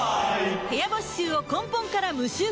部屋干し臭を根本から無臭化